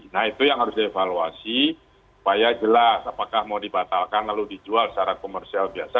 nah itu yang harus dievaluasi supaya jelas apakah mau dibatalkan lalu dijual secara komersial biasa